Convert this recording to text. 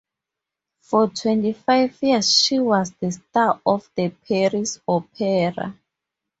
For twenty-five years she was the star of the Paris Opera.